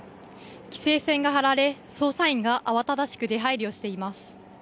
規制線が張られ捜査員が慌ただしく出はいりをしています。